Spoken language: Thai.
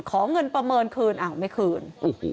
ขอเงินประเมินคืนอ้าวไม่คืน